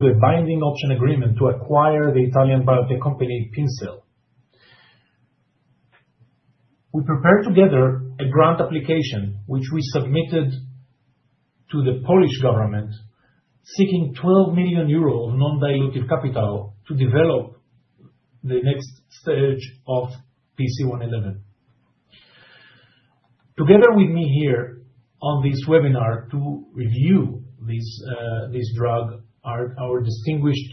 The binding option agreement to acquire the Italian biotech company PinCell. We prepared together a grant application, which we submitted to the Polish government, seeking 12 million euros of non-dilutive capital to develop the next stage of PC111. Together with me here on this webinar to review this drug are our distinguished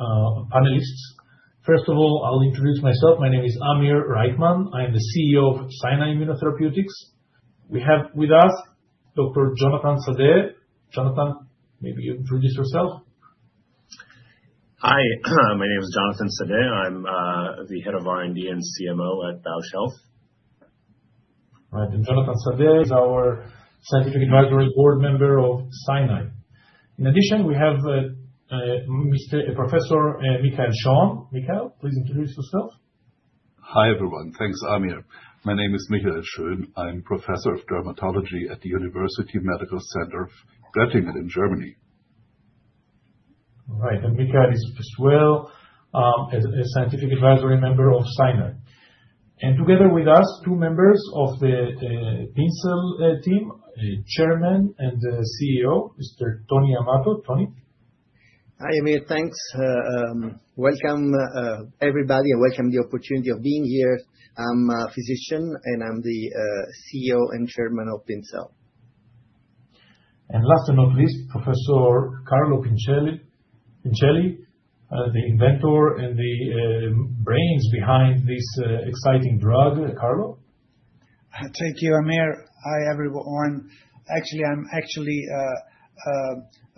panelists. First of all, I'll introduce myself. My name is Amir Reichman. I am the CEO of Scinai Immunotherapeutics. We have with us Dr. Jonathan Sadeh. Jonathan, maybe you introduce yourself. Hi. My name is Jonathan Sadeh. I'm the head of R&D and CMO at Bausch Health All right. Jonathan Sadeh is our scientific advisory board member of Scinai. In addition, we have Professor Michael Schön. Michael, please introduce yourself. Hi everyone. Thanks, Amir. My name is Michael Schön. I'm Professor of Dermatology at the University Medical Center Göttingen in Germany. All right. Michael is as well a scientific advisory member of Scinai. Together with us, two members of the PinCell team, Chairman and CEO, Mr. Tony Amato. Tony? Hi, Amir. Thanks. Welcome, everybody, and welcome the opportunity of being here. I'm a physician, and I'm the CEO and Chairman of PinCell. Last but not least, Professor Carlo Pincelli, the inventor and the brains behind this exciting drug. Carlo? Thank you, Amir. Hi, everyone. Actually, I'm actually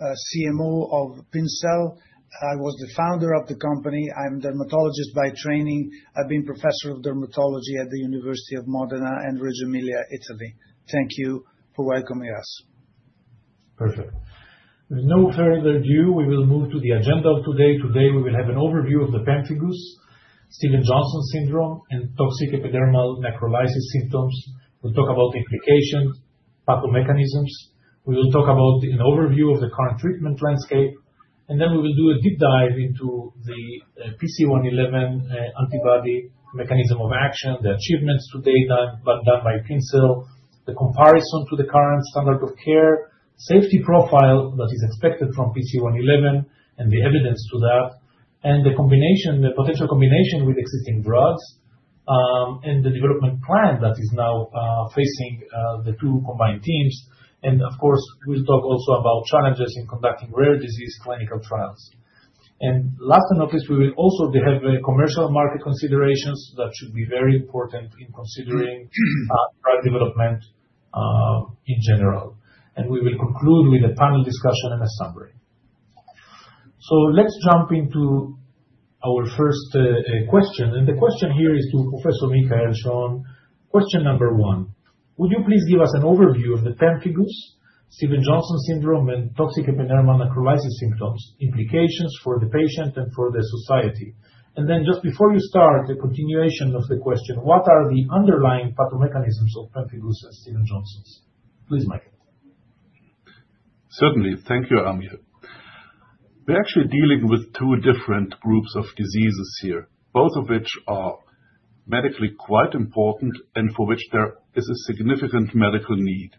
CMO of PinCell. I was the founder of the company. I'm a dermatologist by training. I've been Professor of Dermatology at the University of Modena and Reggio Emilia, Italy. Thank you for welcoming us. Perfect. With no further ado, we will move to the agenda of today. Today, we will have an overview of the pemphigus, Stevens-Johnson syndrome, and toxic epidermal necrolysis symptoms. We'll talk about implications, pathomechanisms. We will talk about an overview of the current treatment landscape. Then we will do a deep dive into the PC111 antibody mechanism of action, the achievements to date done by PinCell, the comparison to the current standard of care, safety profile that is expected from PC111, and the evidence to that, and the potential combination with existing drugs, and the development plan that is now facing the two combined teams. Of course, we'll talk also about challenges in conducting rare disease clinical trials. Last but not least, we will also have commercial market considerations that should be very important in considering drug development in general. We will conclude with a panel discussion and a summary. Let's jump into our first question. The question here is to Professor Michael Schön. Question number one, would you please give us an overview of the pemphigus, Stevens-Johnson syndrome, and toxic epidermal necrolysis symptoms, implications for the patient and for the society? Just before you start, a continuation of the question, what are the underlying pathomechanisms of pemphigus and Stevens-Johnson? Please, Michael. Certainly. Thank you, Amir. We're actually dealing with two different groups of diseases here, both of which are medically quite important and for which there is a significant medical need.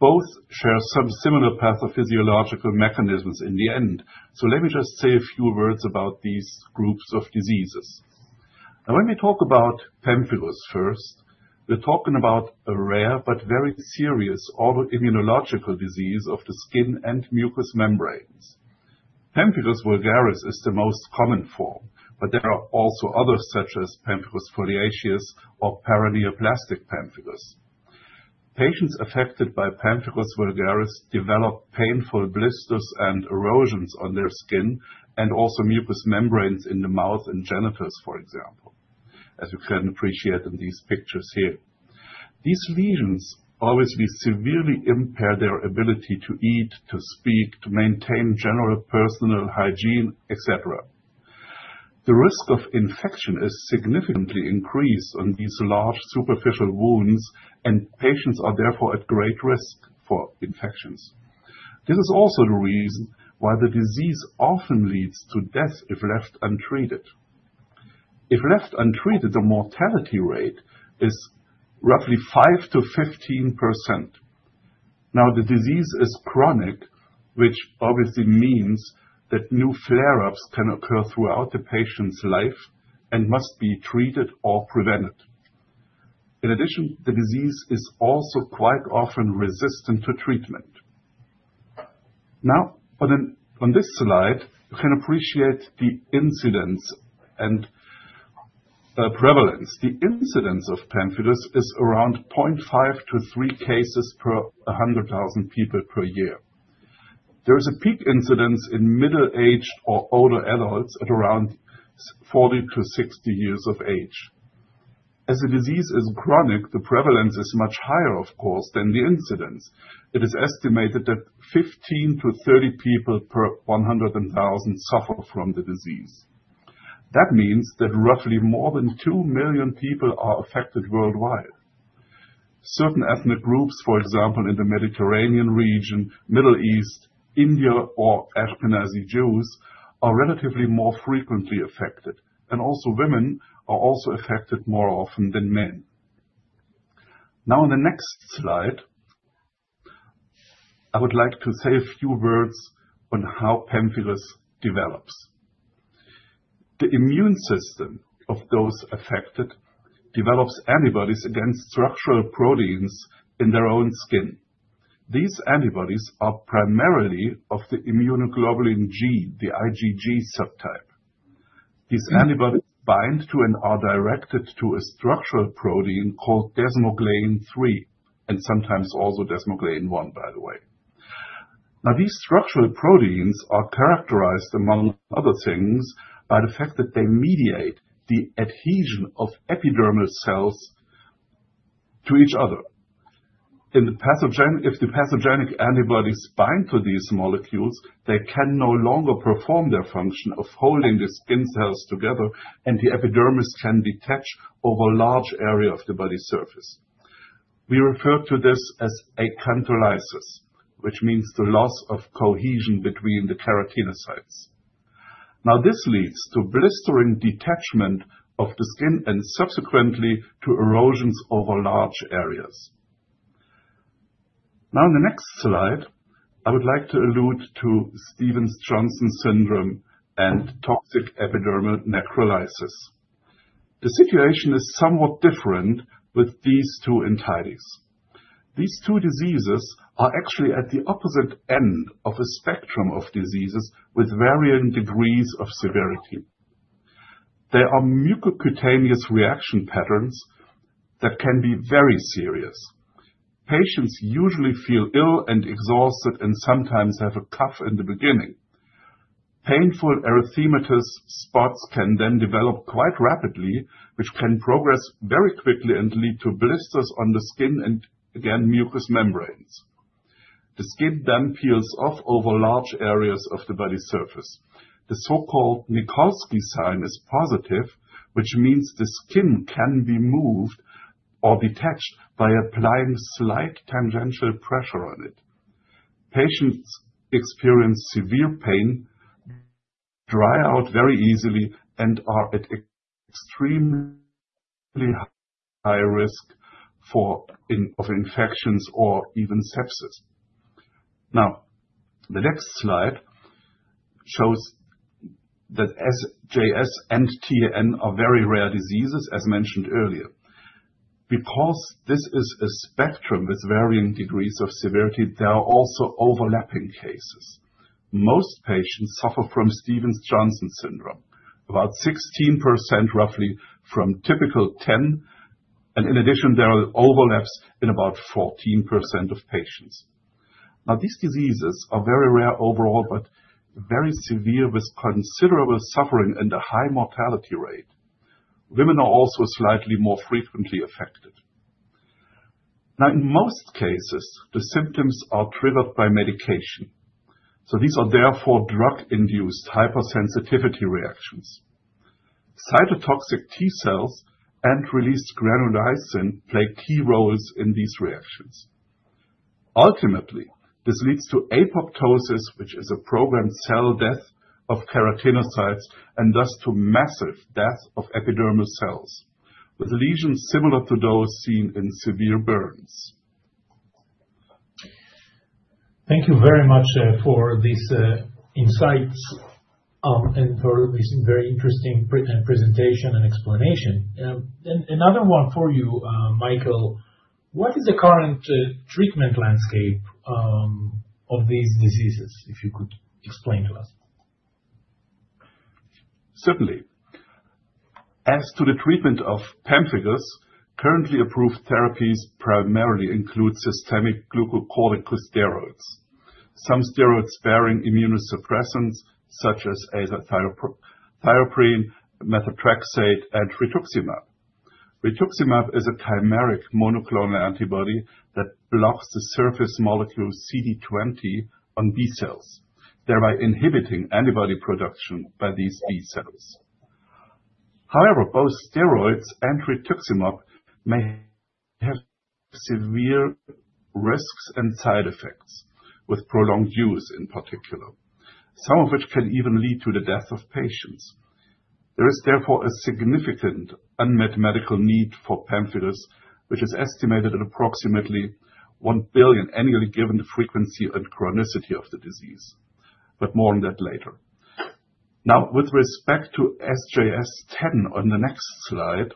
Both share some similar pathophysiological mechanisms in the end. Let me just say a few words about these groups of diseases. Now, when we talk about pemphigus first, we're talking about a rare but very serious autoimmunological disease of the skin and mucous membranes. Pemphigus vulgaris is the most common form, but there are also others such as pemphigus foliaceus or paraneoplastic pemphigus. Patients affected by pemphigus vulgaris develop painful blisters and erosions on their skin and also mucous membranes in the mouth and genitals, for example, as you can appreciate in these pictures here. These lesions obviously severely impair their ability to eat, to speak, to maintain general personal hygiene, etc. The risk of infection is significantly increased on these large superficial wounds, and patients are therefore at great risk for infections. This is also the reason why the disease often leads to death if left untreated. If left untreated, the mortality rate is roughly 5%-15%. Now, the disease is chronic, which obviously means that new flare-ups can occur throughout the patient's life and must be treated or prevented. In addition, the disease is also quite often resistant to treatment. Now, on this slide, you can appreciate the incidence and prevalence. The incidence of pemphigus is around 0.5-3 cases per 100,000 people per year. There is a peak incidence in middle-aged or older adults at around 40-60 years of age. As the disease is chronic, the prevalence is much higher, of course, than the incidence. It is estimated that 15-30 people per 100,000 suffer from the disease. That means that roughly more than 2 million people are affected worldwide. Certain ethnic groups, for example, in the Mediterranean region, Middle East, India, or Ashkenazi Jews, are relatively more frequently affected. Also, women are also affected more often than men. Now, on the next slide, I would like to say a few words on how pemphigus develops. The immune system of those affected develops antibodies against structural proteins in their own skin. These antibodies are primarily of the immunoglobulin G, the IgG subtype. These antibodies bind to and are directed to a structural protein called Desmoglein-3, and sometimes also Desmoglein-1, by the way. Now, these structural proteins are characterized, among other things, by the fact that they mediate the adhesion of epidermal cells to each other. If the pathogenic antibodies bind to these molecules, they can no longer perform their function of holding the skin cells together, and the epidermis can detach over a large area of the body surface. We refer to this as acantholysis, which means the loss of cohesion between the keratinocytes. Now, this leads to blistering detachment of the skin and subsequently to erosions over large areas. Now, on the next slide, I would like to allude to Stevens-Johnson syndrome and toxic epidermal necrolysis. The situation is somewhat different with these two entities. These two diseases are actually at the opposite end of a spectrum of diseases with varying degrees of severity. There are mucocutaneous reaction patterns that can be very serious. Patients usually feel ill and exhausted and sometimes have a cough in the beginning. Painful, erythematous spots can then develop quite rapidly, which can progress very quickly and lead to blisters on the skin and, again, mucous membranes. The skin then peels off over large areas of the body surface. The so-called Nikolsky sign is positive, which means the skin can be moved or detached by applying slight tangential pressure on it. Patients experience severe pain, dry out very easily, and are at extremely high risk of infections or even sepsis. Now, the next slide shows that SJS and TEN are very rare diseases, as mentioned earlier. Because this is a spectrum with varying degrees of severity, there are also overlapping cases. Most patients suffer from Stevens-Johnson syndrome, about 16% roughly from typical TEN. In addition, there are overlaps in about 14% of patients. Now, these diseases are very rare overall but very severe with considerable suffering and a high mortality rate. Women are also slightly more frequently affected. Now, in most cases, the symptoms are triggered by medication. These are therefore drug-induced hypersensitivity reactions. Cytotoxic T cells and released Granulysin play key roles in these reactions. Ultimately, this leads to apoptosis, which is a programmed cell death of keratinocytes, and thus to massive death of epidermal cells with lesions similar to those seen in severe burns. Thank you very much for these insights and for this very interesting presentation and explanation. Another one for you, Michael, what is the current treatment landscape of these diseases, if you could explain to us? Certainly. As to the treatment of pemphigus, currently approved therapies primarily include systemic glucocorticoid steroids, some steroids bearing immunosuppressants such as azathioprine, methotrexate, and rituximab. Rituximab is a chimeric monoclonal antibody that blocks the surface molecule CD20 on B cells, thereby inhibiting antibody production by these B cells. However, both steroids and rituximab may have severe risks and side effects with prolonged use, in particular, some of which can even lead to the death of patients. There is therefore a significant unmet medical need for pemphigus, which is estimated at approximately ITA 1 billion annually given the frequency and chronicity of the disease. More on that later. Now, with respect to SJS/TEN, on the next slide,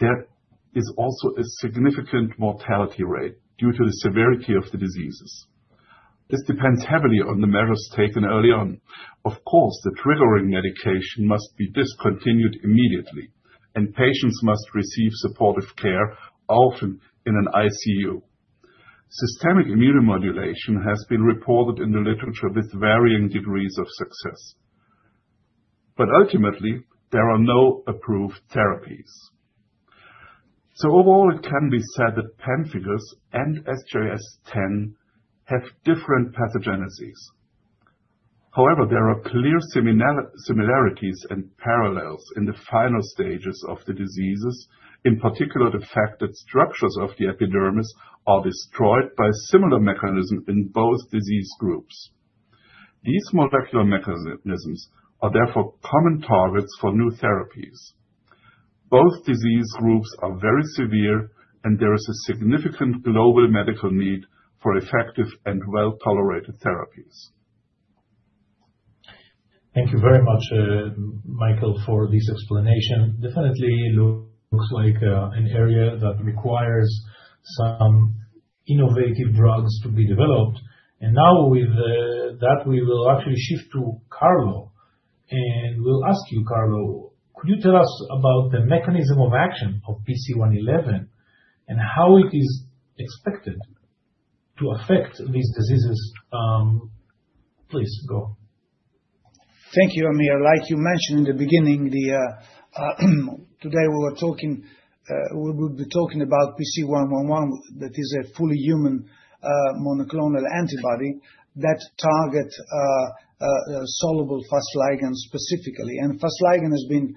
there is also a significant mortality rate due to the severity of the diseases. This depends heavily on the measures taken early on. Of course, the triggering medication must be discontinued immediately, and patients must receive supportive care, often in an ICU. Systemic immunomodulation has been reported in the literature with varying degrees of success. Ultimately, there are no approved therapies. Overall, it can be said that pemphigus and SJS/TEN have different pathogeneses. However, there are clear similarities and parallels in the final stages of the diseases, in particular the fact that structures of the epidermis are destroyed by similar mechanisms in both disease groups. These molecular mechanisms are therefore common targets for new therapies. Both disease groups are very severe, and there is a significant global medical need for effective and well-tolerated therapies. Thank you very much, Michael, for this explanation. Definitely looks like an area that requires some innovative drugs to be developed. With that, we will actually shift to Carlo. We'll ask you, Carlo, could you tell us about the mechanism of action of PC111 and how it is expected to affect these diseases? Please go. Thank you, Amir. Like you mentioned in the beginning, today we were talking we will be talking about PC111, that is a fully human monoclonal antibody that targets soluble Fas ligand specifically. And Fas ligand has been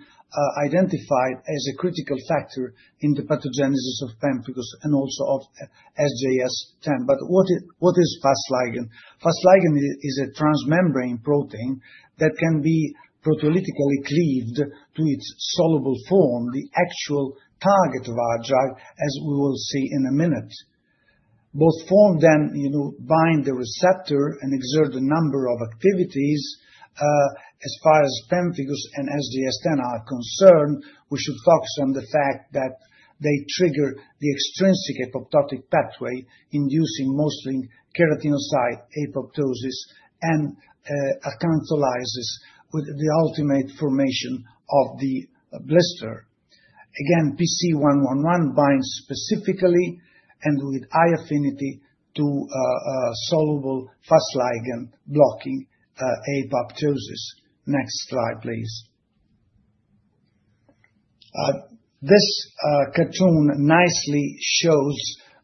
identified as a critical factor in the pathogenesis of pemphigus and also of SJS/TEN. But what is Fas ligand? Fas ligand is a transmembrane protein that can be proteolytically cleaved to its soluble form, the actual target of our drug, as we will see in a minute. Both forms then bind the receptor and exert a number of activities. As far as pemphigus and SJS/TEN are concerned, we should focus on the fact that they trigger the extrinsic apoptotic pathway, inducing mostly keratinocyte apoptosis and acantholysis with the ultimate formation of the blister. Again, PC111 binds specifically and with high affinity to soluble Fas ligand blocking apoptosis. Next slide, please. This cartoon nicely shows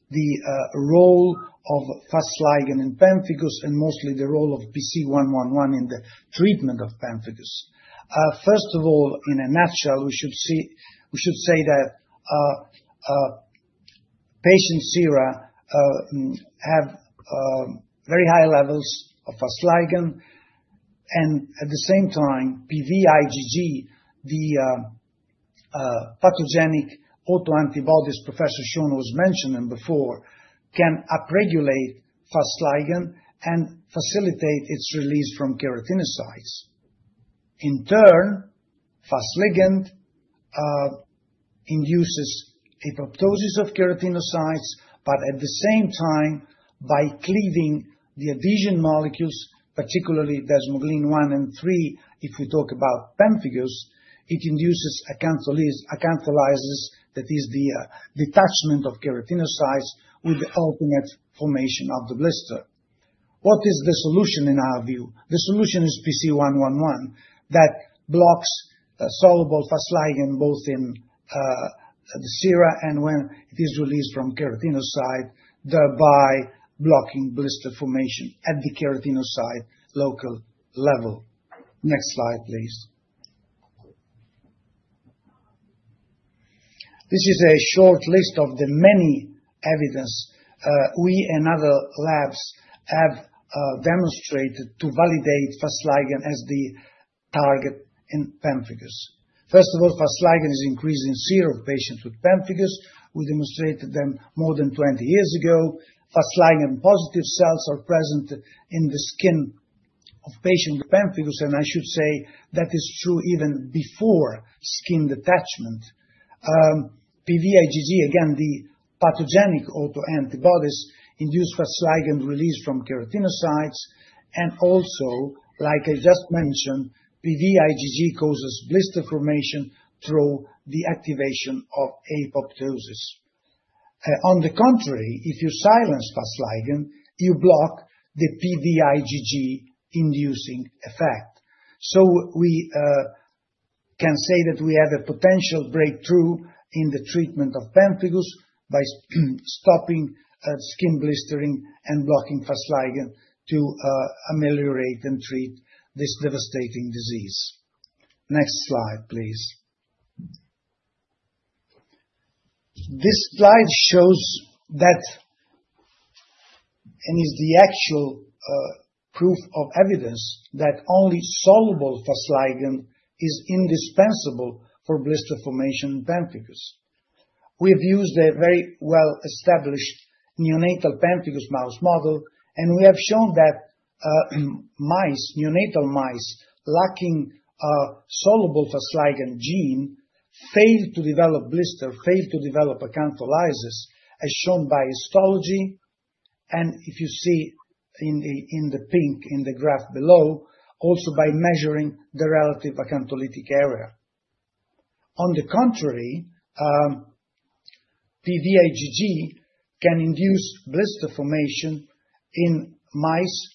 the role of Fas ligand in pemphigus and mostly the role of PC111 in the treatment of pemphigus. First of all, in a nutshell, we should say that patients here have very high levels of Fas ligand. At the same time, PV IgG, the pathogenic autoantibodies Professor Schön was mentioning before, can upregulate Fas ligand and facilitate its release from keratinocytes. In turn, Fas ligand induces apoptosis of keratinocytes. At the same time, by cleaving the adhesion molecules, particularly Desmoglein-1 and 3, if we talk about pemphigus, it induces acantholysis, that is, the detachment of keratinocytes with the ultimate formation of the blister. What is the solution in our view? The solution is PC111 that blocks soluble Fas ligand both in the serum and when it is released from keratinocyte, thereby blocking blister formation at the keratinocyte local level. Next slide, please. This is a short list of the many evidence we and other labs have demonstrated to validate Fas ligand as the target in pemphigus. First of all, Fas ligand is increased in serum patients with pemphigus. We demonstrated that more than 20 years ago. Fas ligand-positive cells are present in the skin of patients with pemphigus. I should say that is true even before skin detachment. PV IgG, again, the pathogenic autoantibodies, induce Fas ligand release from keratinocytes. Also, like I just mentioned, PV IgG causes blister formation through the activation of apoptosis. On the contrary, if you silence Fas ligand, you block the PV IgG-inducing effect. We can say that we have a potential breakthrough in the treatment of pemphigus by stopping skin blistering and blocking Fas ligand to ameliorate and treat this devastating disease. Next slide, please. This slide shows that and is the actual proof of evidence that only soluble Fas ligand is indispensable for blister formation in pemphigus. We have used a very well-established neonatal pemphigus mouse model. We have shown that mice, neonatal mice, lacking a soluble Fas ligand gene fail to develop blister, fail to develop acantholysis, as shown by histology. If you see in the pink in the graph below, also by measuring the relative acantholytic area. On the contrary, PV IgG can induce blister formation in mice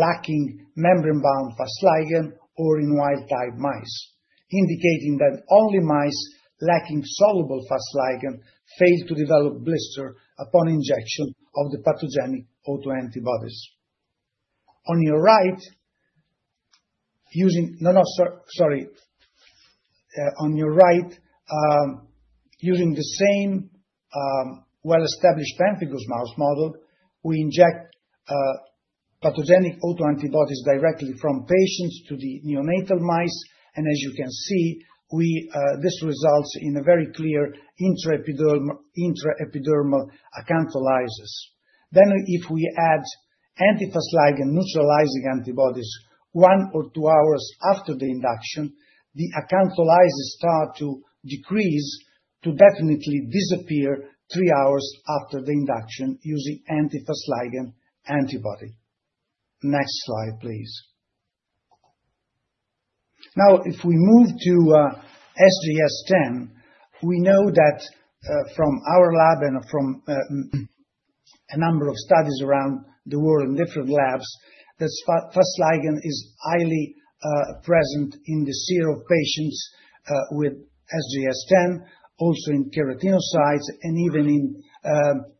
lacking membrane-bound Fas ligand or in wild-type mice, indicating that only mice lacking soluble Fas ligand fail to develop blister upon injection of the pathogenic autoantibodies. On your right, using the same well-established pemphigus mouse model, we inject pathogenic autoantibodies directly from patients to the neonatal mice. As you can see, this results in a very clear intraepidermal acantholysis. If we add anti-Fas ligand neutralizing antibodies one or two hours after the induction, the acantholysis starts to decrease to definitely disappear three hours after the induction using anti-Fas ligand antibody. Next slide, please. Now, if we move to SJS/TEN, we know that from our lab and from a number of studies around the world in different labs, that Fas ligand is highly present in the serum of patients with SJS/TEN, also in keratinocytes, and even in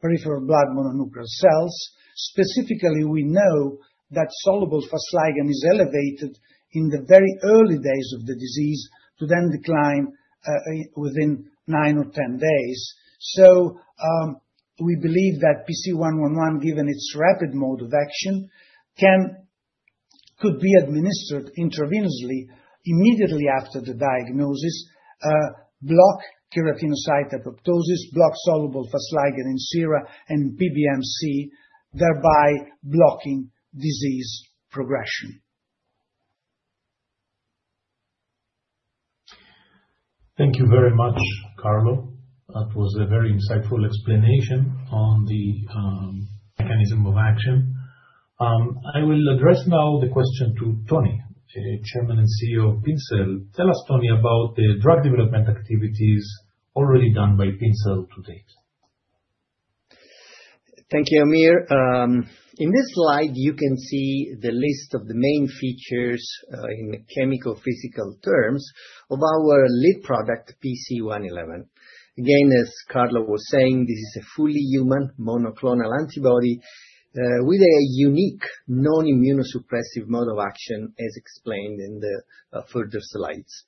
peripheral blood mononuclear cells. Specifically, we know that soluble Fas ligand is elevated in the very early days of the disease to then decline within 9 or 10 days. We believe that PC111, given its rapid mode of action, could be administered intravenously immediately after the diagnosis, block keratinocyte apoptosis, block soluble Fas ligand in serum, and PBMC, thereby blocking disease progression. Thank you very much, Carlo. That was a very insightful explanation on the mechanism of action. I will address now the question to Tony, the Chairman and CEO of PinCell. Tell us, Tony, about the drug development activities already done by PinCell to date. Thank you, Amir. In this slide, you can see the list of the main features in chemical-physical terms of our lead product, PC111. Again, as Carlo was saying, this is a fully human monoclonal antibody with a unique non-immunosuppressive mode of action, as explained in the further slides.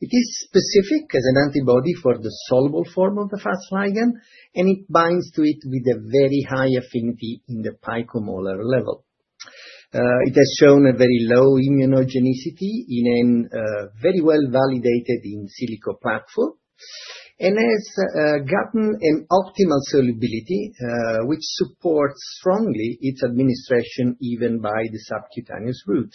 It is specific as an antibody for the soluble form of the Fas ligand, and it binds to it with a very high affinity in the pico-molar level. It has shown a very low immunogenicity and is very well validated in silico plasma. And it has gotten an optimal solubility, which supports strongly its administration even by the subcutaneous route.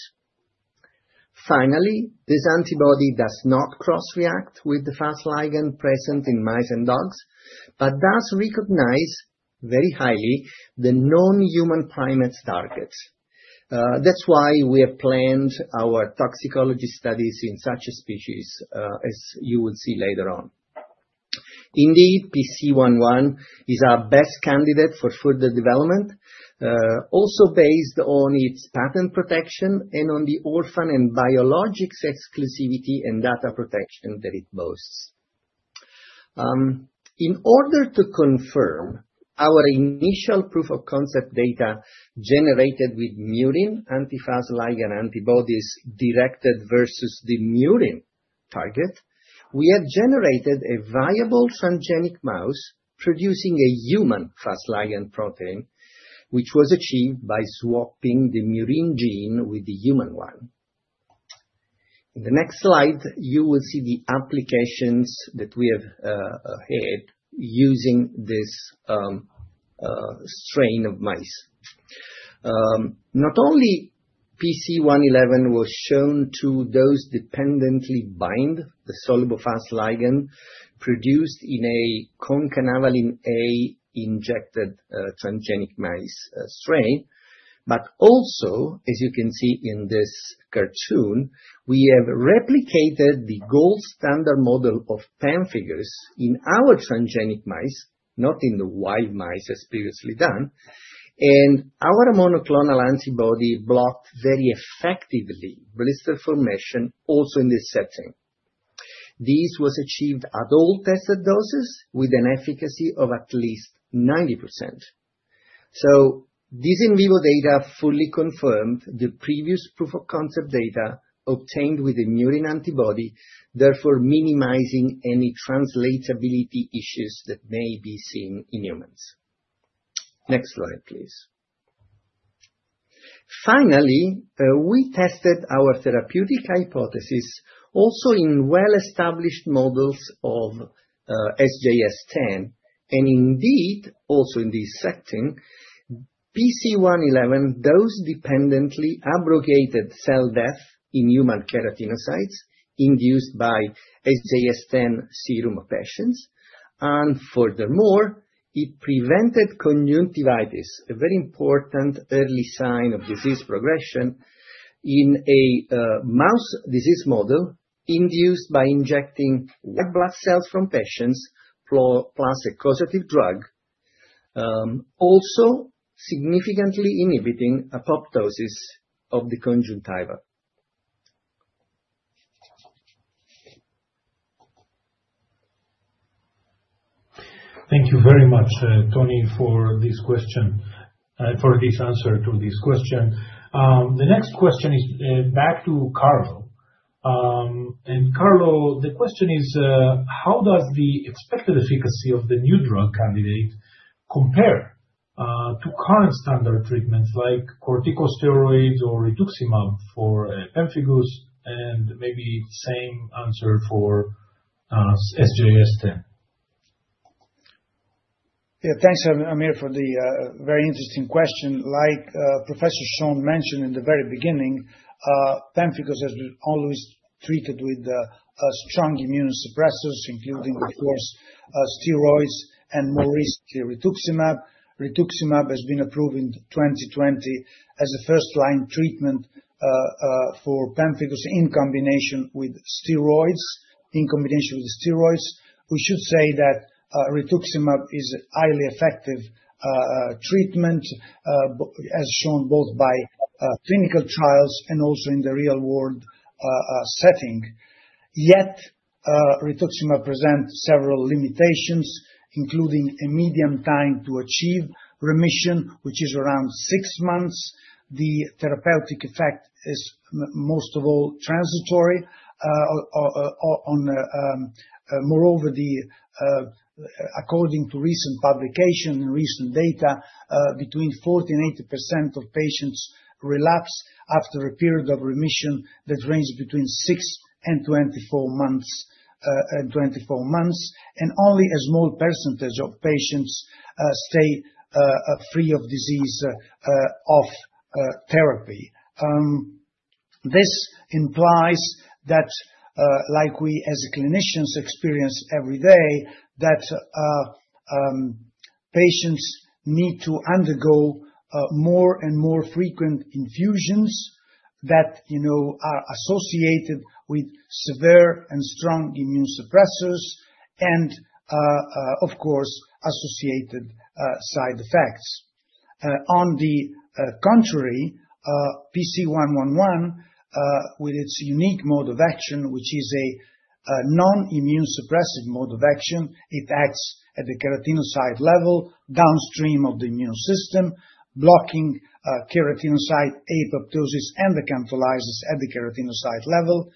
Finally, this antibody does not cross-react with the Fas ligand present in mice and dogs but does recognize very highly the non-human primates' targets. That's why we have planned our toxicology studies in such a species, as you will see later on. Indeed, PC111 is our best candidate for further development, also based on its patent protection and on the orphan and biologics exclusivity and data protection that it boasts. In order to confirm our initial proof of concept data generated with murine anti-Fas ligand antibodies directed versus the murine target, we have generated a viable transgenic mouse producing a human Fas ligand protein, which was achieved by swapping the murine gene with the human one. In the next slide, you will see the applications that we have had using this strain of mice. Not only PC111 was shown to dose-dependently bind the soluble Fas ligand produced in a concanavalin A injected transgenic mice strain, but also, as you can see in this cartoon, we have replicated the gold standard model of pemphigus in our transgenic mice, not in the wild mice as previously done. Our monoclonal antibody blocked very effectively blister formation also in this setting. This was achieved at all tested doses with an efficacy of at least 90%. This in vivo data fully confirmed the previous proof of concept data obtained with the murine antibody, therefore minimizing any translatability issues that may be seen in humans. Next slide, please. Finally, we tested our therapeutic hypothesis also in well-established models of SJS/TEN. Indeed, also in this setting, PC111 dose-dependently abrogated cell death in human keratinocytes induced by SJS/TEN serum of patients. Furthermore, it prevented conjunctivitis, a very important early sign of disease progression in a mouse disease model induced by injecting white blood cells from patients plus a causative drug, also significantly inhibiting apoptosis of the conjunctiva. Thank you very much, Tony, for this question, for this answer to this question. The next question is back to Carlo. Carlo, the question is, how does the expected efficacy of the new drug candidate compare to current standard treatments like corticosteroids or rituximab for pemphigus? Maybe same answer for SJS10. Yeah, thanks, Amir, for the very interesting question. Like Professor Schön mentioned in the very beginning, pemphigus has been always treated with strong immunosuppressors, including, of course, steroids and more recently rituximab. Rituximab has been approved in 2020 as a first-line treatment for pemphigus in combination with steroids. In combination with steroids, we should say that rituximab is a highly effective treatment, as shown both by clinical trials and also in the real-world setting. Yet rituximab presents several limitations, including a median time to achieve remission, which is around six months. The therapeutic effect is most of all transitory. Moreover, according to recent publication and recent data, between 40% and 80% of patients relapse after a period of remission that ranges between 6 and 24 months. Only a small percentage of patients stay free of disease off therapy. This implies that, like we as clinicians experience every day, that patients need to undergo more and more frequent infusions that are associated with severe and strong immunosuppressors and, of course, associated side effects. On the contrary, PC111, with its unique mode of action, which is a non-immunosuppressive mode of action, it acts at the keratinocyte level downstream of the immune system, blocking keratinocyte apoptosis and acantholysis at the keratinocyte level.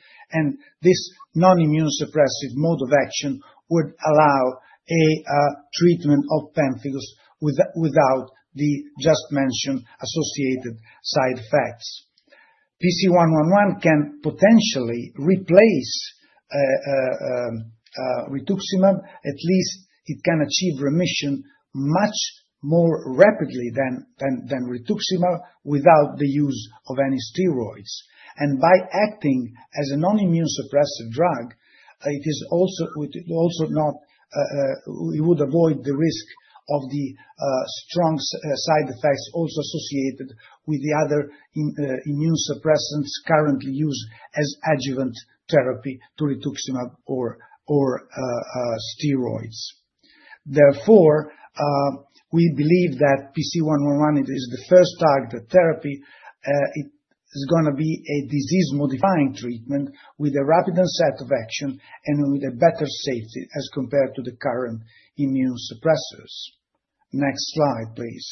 This non-immunosuppressive mode of action would allow a treatment of pemphigus without the just-mentioned associated side effects. PC111 can potentially replace rituximab. At least it can achieve remission much more rapidly than rituximab without the use of any steroids. By acting as a non-immunosuppressive drug, it would also not avoid the risk of the strong side effects also associated with the other immunosuppressants currently used as adjuvant therapy to rituximab or steroids. Therefore, we believe that PC111, it is the first targeted therapy. It is going to be a disease-modifying treatment with a rapid onset of action and with a better safety as compared to the current immunosuppressors. Next slide, please.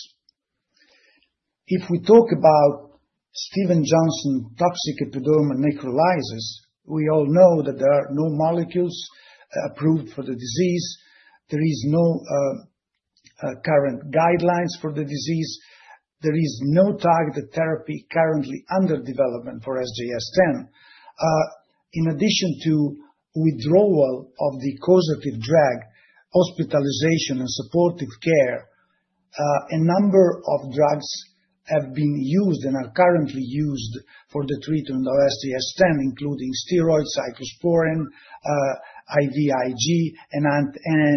If we talk about Stevens-Johnson toxic epidermal necrolysis, we all know that there are no molecules approved for the disease. There are no current guidelines for the disease. There is no targeted therapy currently under development for SJS/TEN. In addition to withdrawal of the causative drug, hospitalization, and supportive care, a number of drugs have been used and are currently used for the treatment of SJS/TEN, including steroids, cyclosporine, IVIG, and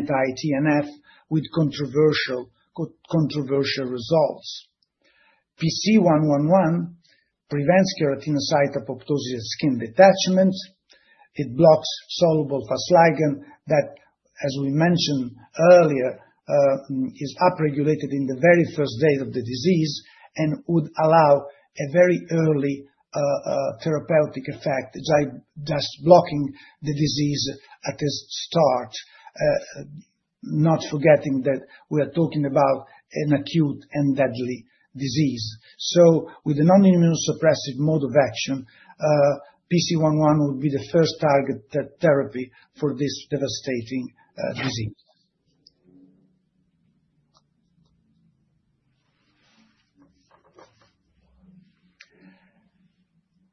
anti-TNF with controversial results. PC111 prevents keratinocyte apoptosis at skin detachment. It blocks soluble Fas ligand that, as we mentioned earlier, is upregulated in the very first days of the disease and would allow a very early therapeutic effect, just blocking the disease at its start, not forgetting that we are talking about an acute and deadly disease. With the non-immunosuppressive mode of action, PC111 would be the first targeted therapy for this devastating disease.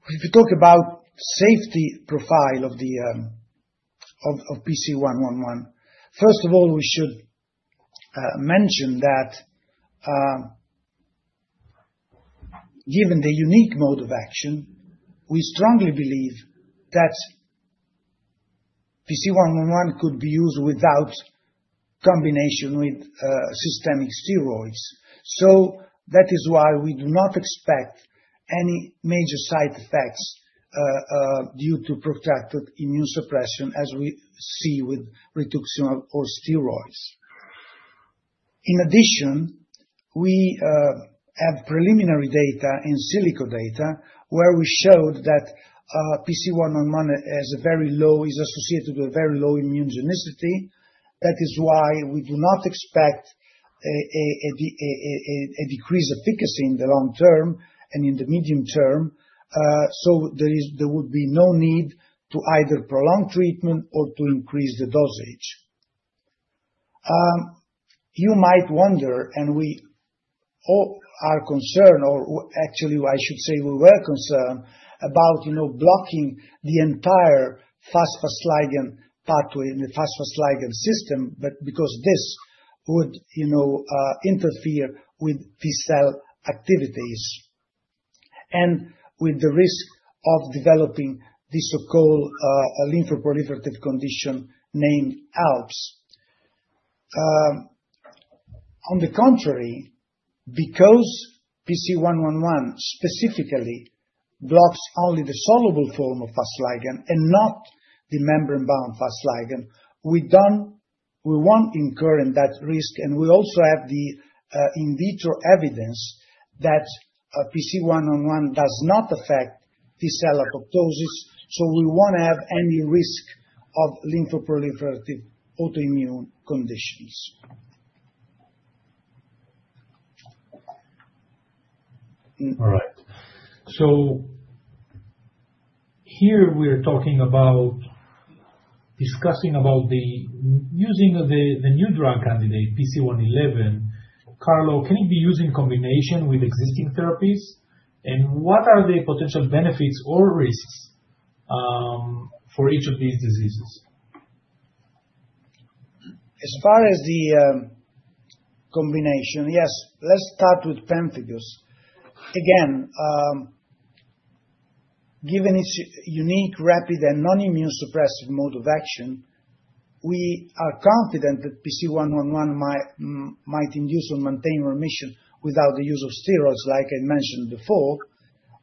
If we talk about the safety profile of PC111, first of all, we should mention that given the unique mode of action, we strongly believe that PC111 could be used without combination with systemic steroids. That is why we do not expect any major side effects due to protracted immunosuppression, as we see with rituximab or steroids. In addition, we have preliminary in silico data where we showed that PC111 is associated with a very low immunogenicity. That is why we do not expect a decrease of efficacy in the long term and in the medium term. There would be no need to either prolong treatment or to increase the dosage. You might wonder, and we are concerned, or actually, I should say we were concerned about blocking the entire Fas ligand pathway in the Fas ligand system because this would interfere with T-cell activities and with the risk of developing the so-called lymphoproliferative condition named ALPS. On the contrary, because PC111 specifically blocks only the soluble form of Fas ligand and not the membrane-bound Fas ligand, we will not incur that risk. We also have the in vitro evidence that PC111 does not affect T-cell apoptosis. We will not have any risk of lymphoproliferative autoimmune conditions. All right. Here we are talking about discussing using the new drug candidate, PC111. Carlo, can it be used in combination with existing therapies? What are the potential benefits or risks for each of these diseases? As far as the combination, yes. Let's start with pemphigus. Again, given its unique, rapid, and non-immunosuppressive mode of action, we are confident that PC111 might induce or maintain remission without the use of steroids, like I mentioned before.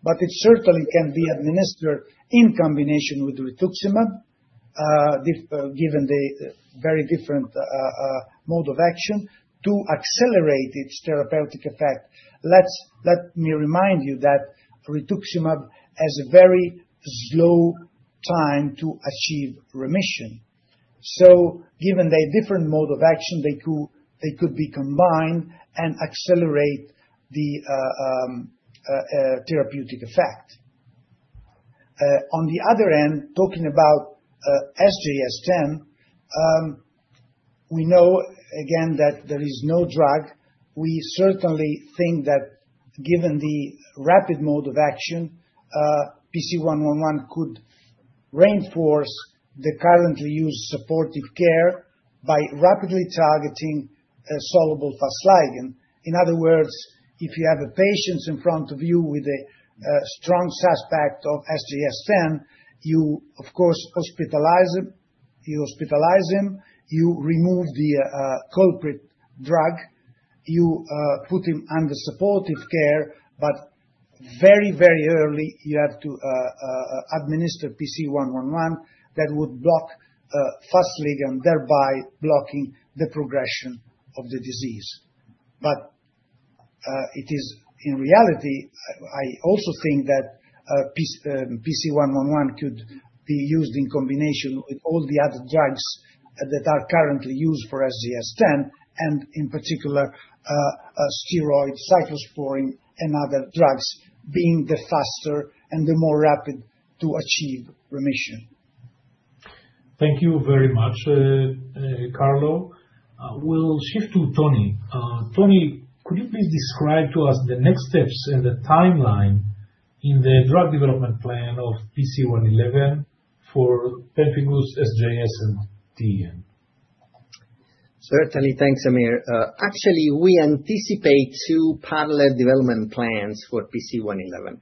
It certainly can be administered in combination with rituximab, given the very different mode of action, to accelerate its therapeutic effect. Let me remind you that rituximab has a very slow time to achieve remission. Given the different mode of action, they could be combined and accelerate the therapeutic effect. On the other end, talking about SJS/TEN, we know, again, that there is no drug. We certainly think that given the rapid mode of action, PC111 could reinforce the currently used supportive care by rapidly targeting soluble Fas ligand. In other words, if you have patients in front of you with a strong suspect of SJS/TEN, you, of course, hospitalize them. You remove the culprit drug. You put them under supportive care. Very, very early, you have to administer PC111 that would block Fas ligand, thereby blocking the progression of the disease. In reality, I also think that PC111 could be used in combination with all the other drugs that are currently used for SJS/TEN, and in particular, steroids, cyclosporine, and other drugs, being the faster and the more rapid to achieve remission. Thank you very much, Carlo. We'll shift to Tony. Tony, could you please describe to us the next steps and the timeline in the drug development plan of PC111 for pemphigus, SJS, and TEN? Certainly. Thanks, Amir. Actually, we anticipate two parallel development plans for PC111,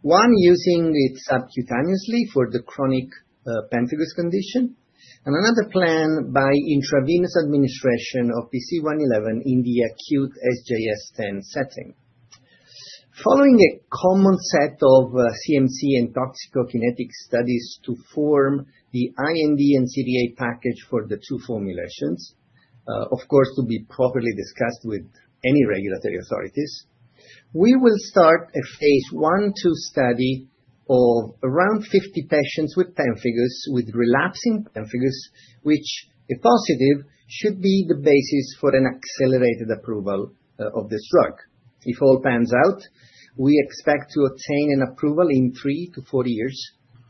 one using it subcutaneously for the chronic pemphigus condition and another plan by intravenous administration of PC111 in the acute SJS/TEN setting. Following a common set of CMC and toxicokinetic studies to form the IND and CTA package for the two formulations, of course, to be properly discussed with any regulatory authorities, we will start a phase I/II study of around 50 patients with pemphigus with relapsing pemphigus, which, if positive, should be the basis for an accelerated approval of this drug. If all pans out, we expect to obtain an approval in three to four years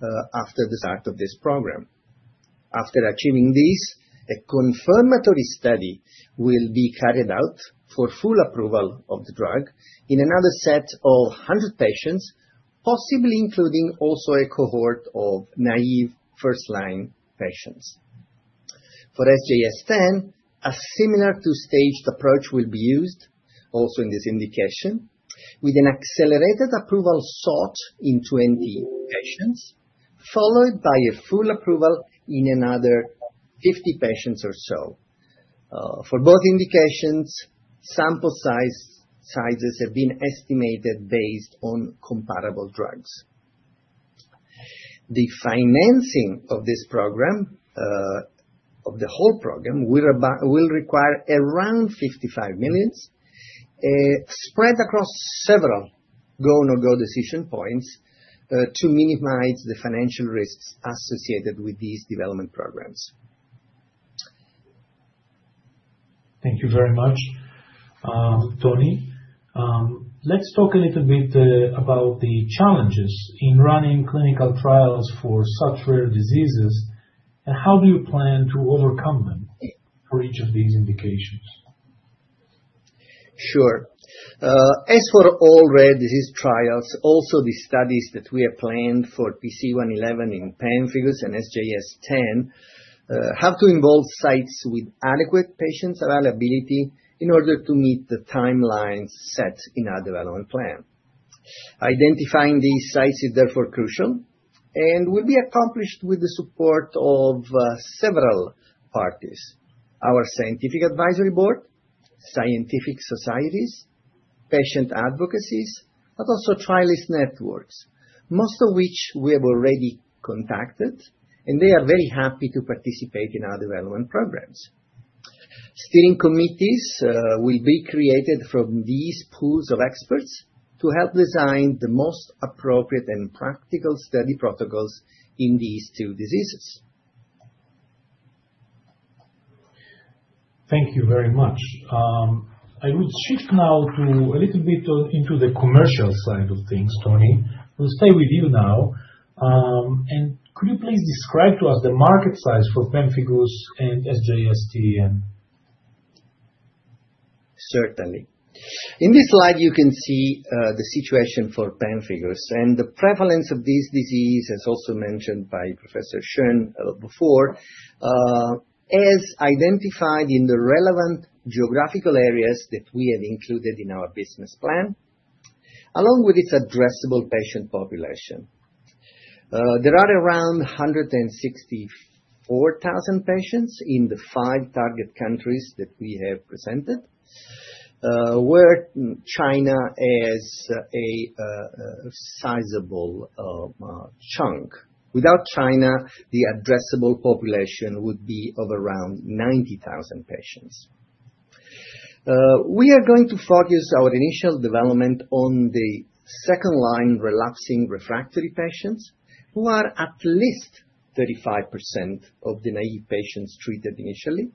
after the start of this program. After achieving this, a confirmatory study will be carried out for full approval of the drug in another set of 100 patients, possibly including also a cohort of naive first-line patients. For SJS/TEN, a similar two-staged approach will be used also in this indication with an accelerated approval sought in 20 patients, followed by a full approval in another 50 patients or so. For both indications, sample sizes have been estimated based on comparable drugs. The financing of this program, of the whole program, will require around 55 million spread across several go-no-go decision points to minimize the financial risks associated with these development programs. Thank you very much, Tony. Let's talk a little bit about the challenges in running clinical trials for such rare diseases. How do you plan to overcome them for each of these indications? Sure. As for all rare disease trials, also the studies that we have planned for PC111 in pemphigus and SJS10 have to involve sites with adequate patient availability in order to meet the timelines set in our development plan. Identifying these sites is therefore crucial and will be accomplished with the support of several parties: our scientific advisory board, scientific societies, patient advocacy, but also trialist networks, most of which we have already contacted, and they are very happy to participate in our development programs. Steering committees will be created from these pools of experts to help design the most appropriate and practical study protocols in these two diseases. Thank you very much. I would shift now a little bit into the commercial side of things, Tony. We'll stay with you now. Could you please describe to us the market size for pemphigus and SJS/TEN? Certainly. In this slide, you can see the situation for pemphigus and the prevalence of this disease, as also mentioned by Professor Schön before, as identified in the relevant geographical areas that we have included in our business plan, along with its addressable patient population. There are around 164,000 patients in the five target countries that we have presented, where China is a sizable chunk. Without China, the addressable population would be of around 90,000 patients. We are going to focus our initial development on the second-line relapsing refractory patients, who are at least 35% of the naive patients treated initially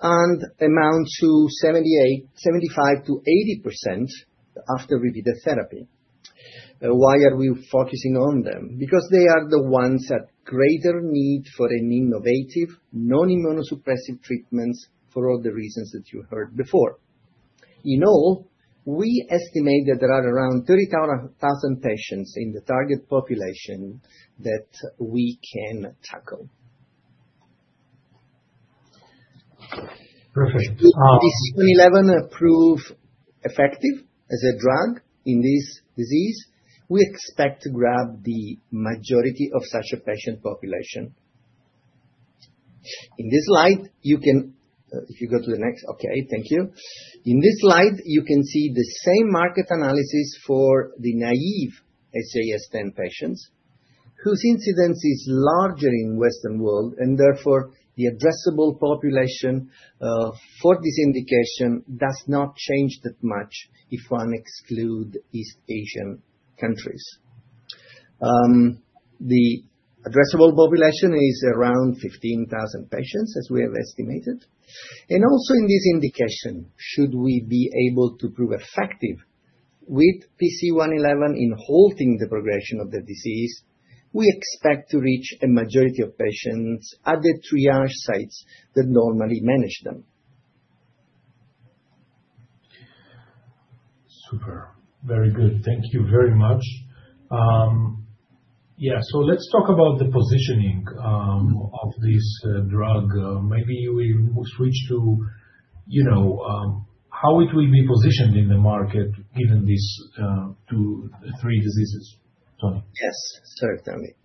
and amount to 75%-80% after repeated therapy. Why are we focusing on them? Because they are the ones at greater need for an innovative non-immunosuppressive treatment for all the reasons that you heard before. In all, we estimate that there are around 30,000 patients in the target population that we can tackle. Perfect. If PC111 proved effective as a drug in this disease, we expect to grab the majority of such a patient population. In this slide, you can—if you go to the next—okay, thank you. In this slide, you can see the same market analysis for the naive SJS/TEN patients, whose incidence is larger in the Western world. Therefore, the addressable population for this indication does not change that much if one excludes East Asian countries. The addressable population is around 15,000 patients, as we have estimated. Also, in this indication, should we be able to prove effective with PC111 in halting the progression of the disease, we expect to reach a majority of patients at the triage sites that normally manage them. Super. Very good. Thank you very much. Yeah. Let's talk about the positioning of this drug. Maybe we will switch to how it will be positioned in the market given these two or three diseases, Tony. Yes, certainly.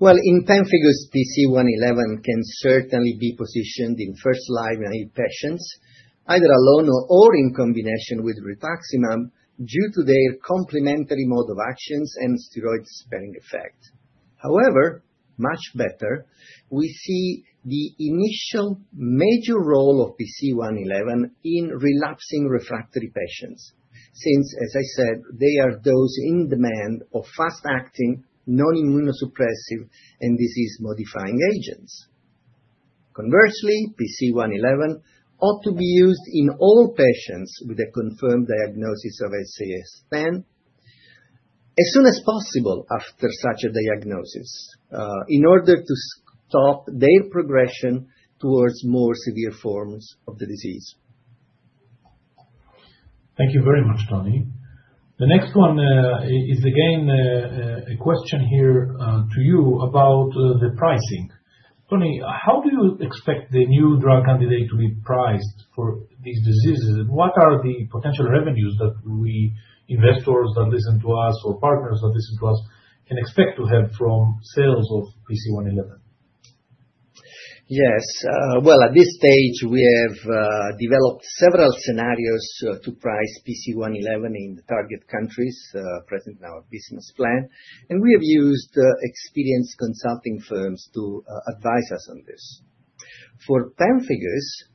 In pemphigus, PC111 can certainly be positioned in first-line naive patients, either alone or in combination with rituximab due to their complementary mode of actions and steroid-sparing effect. However, much better, we see the initial major role of PC111 in relapsing refractory patients since, as I said, they are those in demand of fast-acting non-immunosuppressive and disease-modifying agents. Conversely, PC111 ought to be used in all patients with a confirmed diagnosis of SJS/TEN as soon as possible after such a diagnosis in order to stop their progression towards more severe forms of the disease. Thank you very much, Tony. The next one is, again, a question here to you about the pricing. Tony, how do you expect the new drug candidate to be priced for these diseases? What are the potential revenues that we investors that listen to us or partners that listen to us can expect to have from sales of PC111? Yes. At this stage, we have developed several scenarios to price PC111 in the target countries present in our business plan. We have used experienced consulting firms to advise us on this. For pemphigus,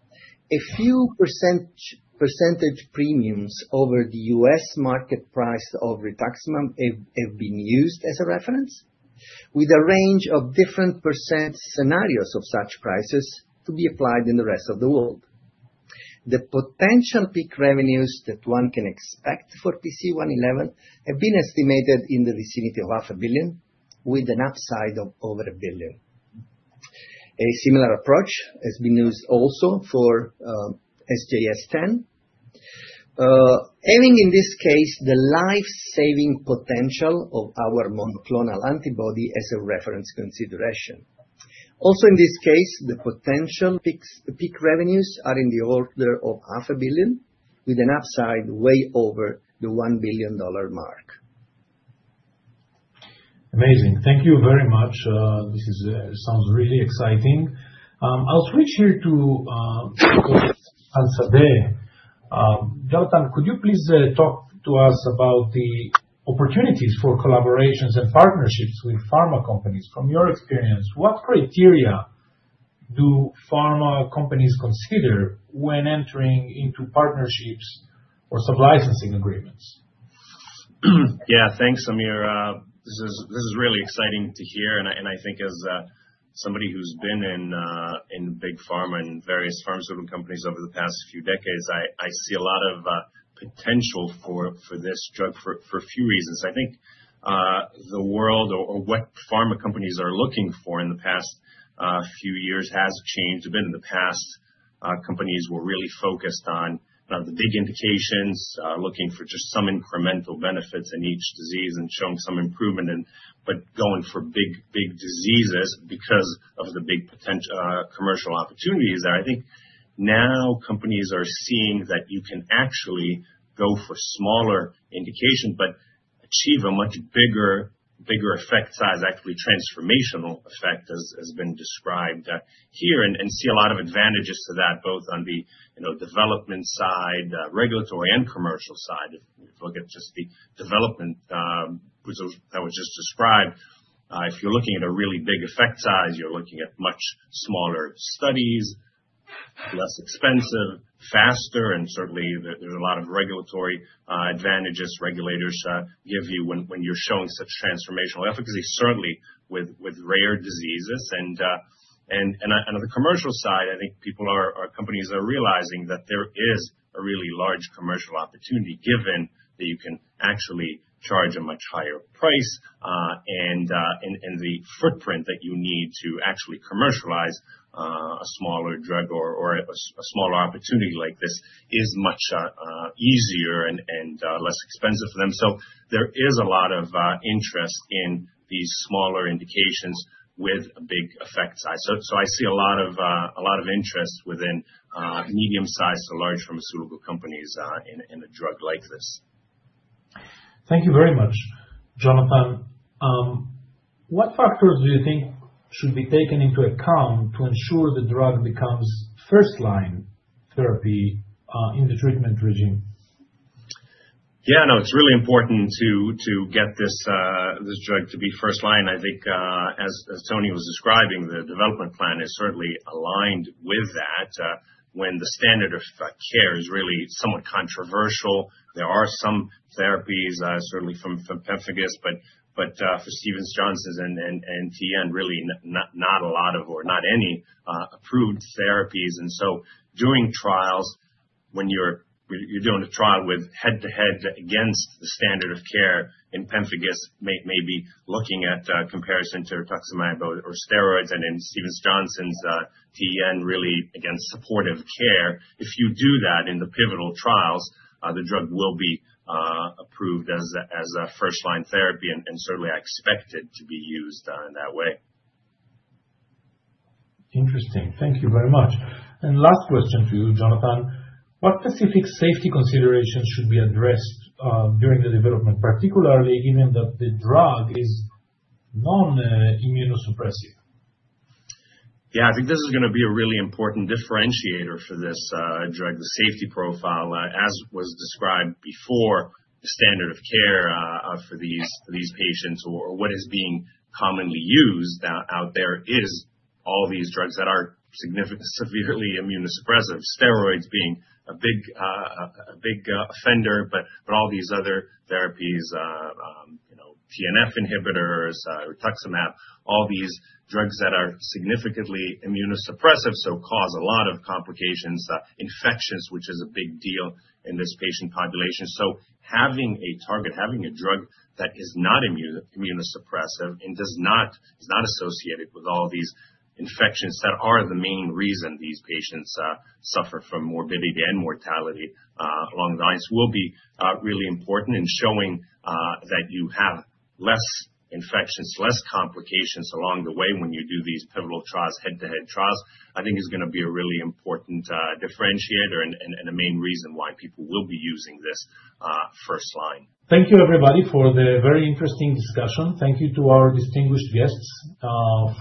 a few % premiums over the U.S. market price of rituximab have been used as a reference, with a range of different % scenarios of such prices to be applied in the rest of the world. The potential peak revenues that one can expect for PC111 have been estimated in the vicinity of $ 500 million, with an upside of over $ 1 billion. A similar approach has been used also for SJS/TEN, having, in this case, the life-saving potential of our monoclonal antibody as a reference consideration. Also, in this case, the potential peak revenues are in the order of $ 500 million with an upside way over the $1 billion mark. Amazing. Thank you very much. This sounds really exciting. I'll switch here to Dr. Sadeh. Jonathan, could you please talk to us about the opportunities for collaborations and partnerships with pharma companies? From your experience, what criteria do pharma companies consider when entering into partnerships or sub-licensing agreements? Yeah. Thanks, Amir. This is really exciting to hear. I think, as somebody who's been in big pharma and various pharmaceutical companies over the past few decades, I see a lot of potential for this drug for a few reasons. I think the world or what pharma companies are looking for in the past few years has changed. In the past, companies were really focused on the big indications, looking for just some incremental benefits in each disease and showing some improvement, but going for big diseases because of the big commercial opportunities. I think now companies are seeing that you can actually go for smaller indications but achieve a much bigger effect size, actually transformational effect, as has been described here, and see a lot of advantages to that, both on the development side, regulatory, and commercial side. If you look at just the development that was just described, if you're looking at a really big effect size, you're looking at much smaller studies, less expensive, faster, and certainly, there's a lot of regulatory advantages regulators give you when you're showing such transformational efficacy, certainly with rare diseases. On the commercial side, I think people or companies are realizing that there is a really large commercial opportunity given that you can actually charge a much higher price, and the footprint that you need to actually commercialize a smaller drug or a smaller opportunity like this is much easier and less expensive for them. There is a lot of interest in these smaller indications with a big effect size. I see a lot of interest within medium-sized to large pharmaceutical companies in a drug like this. Thank you very much, Jonathan. What factors do you think should be taken into account to ensure the drug becomes first-line therapy in the treatment regime? Yeah. No, it's really important to get this drug to be first-line. I think, as Tony was describing, the development plan is certainly aligned with that. When the standard of care is really somewhat controversial, there are some therapies, certainly for pemphigus, but for Stevens-Johnson's and TEN, really not a lot of or not any approved therapies. Doing trials, when you're doing a trial head-to-head against the standard of care in pemphigus, maybe looking at comparison to rituximab or steroids, and in Stevens-Johnson's, TEN, really against supportive care, if you do that in the pivotal trials, the drug will be approved as a first-line therapy, and certainly, I expect it to be used in that way. Interesting. Thank you very much. Last question to you, Jonathan. What specific safety considerations should be addressed during the development, particularly given that the drug is non-immunosuppressive? Yeah. I think this is going to be a really important differentiator for this drug, the safety profile, as was described before. The standard of care for these patients or what is being commonly used out there is all these drugs that are severely immunosuppressive, steroids being a big offender, but all these other therapies, TNF inhibitors, rituximab, all these drugs that are significantly immunosuppressive, so cause a lot of complications, infections, which is a big deal in this patient population. Having a target, having a drug that is not immunosuppressive and is not associated with all these infections that are the main reason these patients suffer from morbidity and mortality along the lines will be really important. Showing that you have less infections, less complications along the way when you do these pivotal trials, head-to-head trials, I think is going to be a really important differentiator and a main reason why people will be using this first-line. Thank you, everybody, for the very interesting discussion. Thank you to our distinguished guests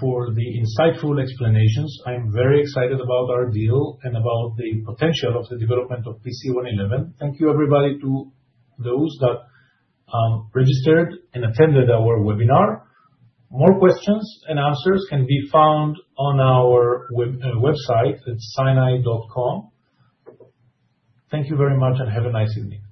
for the insightful explanations. I'm very excited about our deal and about the potential of the development of PC111. Thank you, everybody, to those that registered and attended our webinar. More questions and answers can be found on our website at scinai.com. Thank you very much, and have a nice evening.